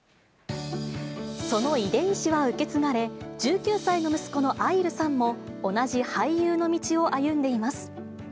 その遺伝子は受け継がれ、１９歳の息子の愛流さんも、同じ俳優の道を歩んでいます。